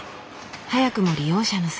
早くも利用者の姿。